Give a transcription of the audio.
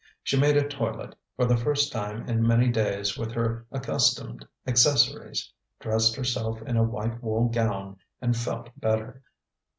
She made a toilet, for the first time in many days, with her accustomed accessories, dressed herself in a white wool gown, and felt better.